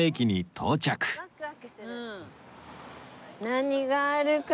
何があるかな？